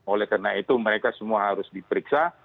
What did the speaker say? oleh karena itu mereka semua harus diperiksa